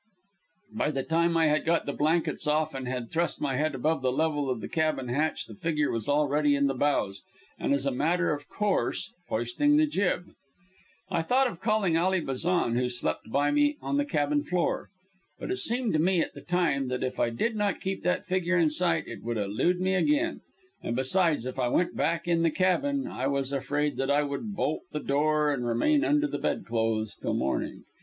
By the time I had got the blankets off and had thrust my head above the level of the cabin hatch the figure was already in the bows, and, as a matter of course, hoisting the jib. I thought of calling Ally Bazan, who slept by me on the cabin floor, but it seemed to me at the time that if I did not keep that figure in sight it would elude me again, and, besides, if I went back in the cabin I was afraid that I would bolt the door and remain under the bedclothes till morning.